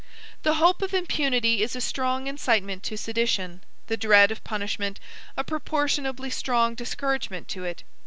The hope of impunity is a strong incitement to sedition; the dread of punishment, a proportionably strong discouragement to it.